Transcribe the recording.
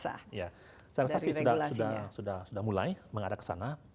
saya rasa sih sudah mulai mengarah ke sana